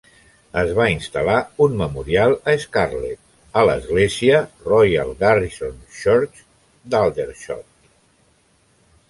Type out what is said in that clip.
Es va instal·lar un memorial a Scarlett a l'església Royal Garrison Church d'Aldershot.